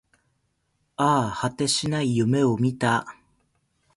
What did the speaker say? ああ、果てしない夢を見た